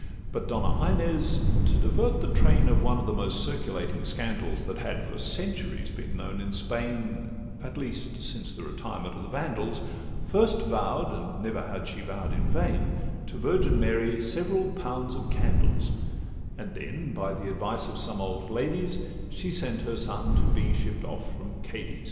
But Donna Inez, to divert the train Of one of the most circulating scandals That had for centuries been known in Spain, At least since the retirement of the Vandals, First vow'd (and never had she vow'd in vain) To Virgin Mary several pounds of candles; And then, by the advice of some old ladies, She sent her son to be shipp'd off from Cadiz.